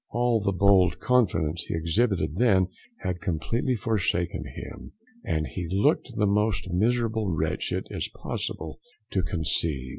All the bold confidence he exhibited then had completely forsaken him, and he looked the most miserable wretch it is possible to conceive.